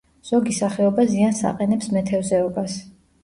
ზოგი სახეობა ზიანს აყენებს მეთევზეობას.